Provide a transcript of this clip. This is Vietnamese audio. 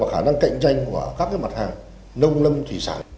khả năng cạnh tranh của các mặt hàng nông lâm thủy sản